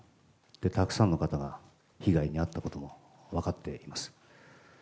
たくさんの方が被害に遭ったことも分かっています。